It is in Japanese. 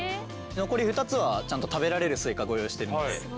残り２つはちゃんと食べられるスイカご用意してるので。